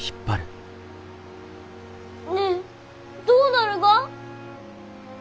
ねえどうなるが？